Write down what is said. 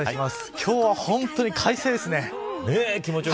今日は本当に快晴です。